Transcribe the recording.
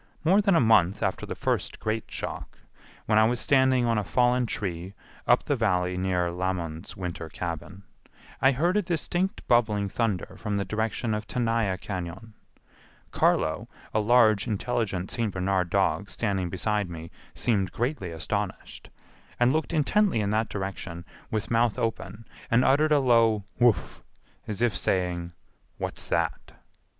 More than a month after the first great shock, when I was standing on a fallen tree up the Valley near Lamon's winter cabin, I heard a distinct bubbling thunder from the direction of Tenaya Cañon Carlo, a large intelligent St. Bernard dog standing beside me seemed greatly astonished, and looked intently in that direction with mouth open and uttered a low Wouf! as if saying, "What's that?"